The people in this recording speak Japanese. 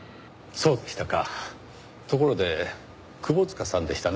そうでしたか。